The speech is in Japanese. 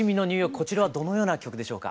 こちらはどのような曲でしょうか？